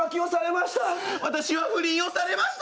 私は不倫をされました。